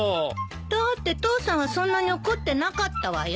だって父さんはそんなに怒ってなかったわよ。